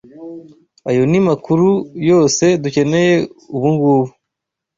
Ayo ni makuru yose dukeneye ubungubu.